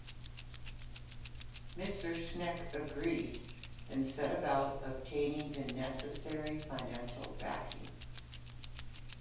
Mr. Schenck agreed, and set about obtaining the necessary financial backing.